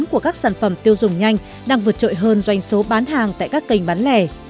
các kết quả của các sản phẩm tiêu dùng nhanh đang vượt trội hơn doanh số bán hàng tại các kênh bán lẻ